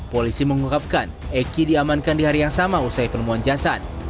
polisi mengungkapkan eki diamankan di hari yang sama usai penemuan jasad